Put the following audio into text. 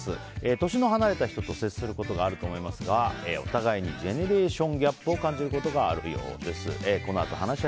年の離れた人と接することがあると思いますがお互いにジェネレーションギャップを感じることもあるようです。